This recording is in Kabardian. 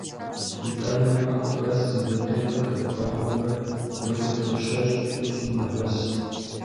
ИтӀанэ махуэ къэс зы дакъикъэ хэбгъахъуэурэ, дакъикъэ щэщӀ-плӀыщӀым нэгъэс.